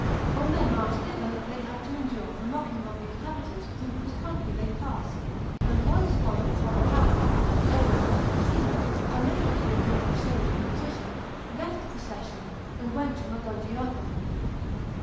On their march thither they had to endure the mocking of the inhabitants through whose country they passed, and one squadron of cavalry, the ala Picentina, unable to endure the shame of the position, left the procession, and went to 70 A.D IMPERIUM GALLIARUM. 359 Moguutiacum.